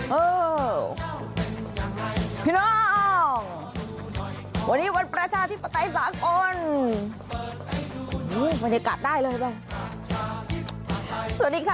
สวัสดีพี่น้องวันนี้วันประชาธิปไตยสากลบรรยากาศได้เลยสวัสดีค่ะ